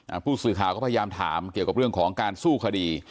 ผู้สื่อข่าวก็พยายามถามเกี่ยวกับเรื่องของการสู้คดี